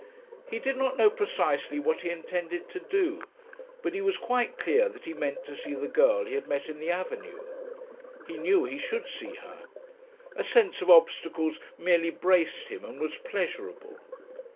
He did not know precisely what he intended to do, but he was quite clear that he meant to see the girl he had met in the avenue. He knew he should see her. A sense of obstacles merely braced him and was pleasurable.